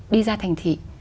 đi ra thành thị